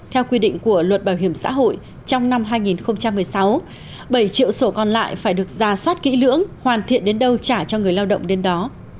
theo quy định của luật bảo hiểm xã hội trong năm hai nghìn một mươi sáu bảy triệu sổ còn lại phải được ra soát kỹ lưỡng hoàn thiện đến đâu trả cho người lao động đến đó